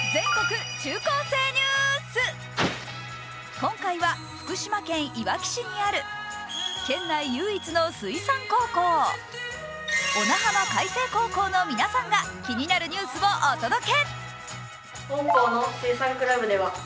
今回は福島県いわき市にある県内唯一の水産高校、小名浜海星高校の皆さんが気になるニュースをお届け。